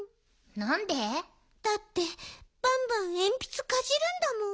なんで？だってバンバンえんぴつかじるんだもん。